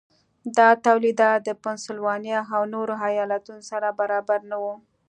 دا تولیدات د پنسلوانیا او نورو ایالتونو سره برابر نه وو.